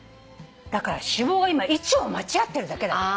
だから脂肪が今位置を間違ってるだけだって。